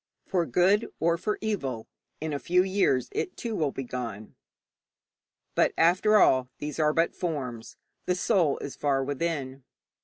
For good or for evil, in a few years it, too, will be gone. But, after all, these are but forms; the soul is far within.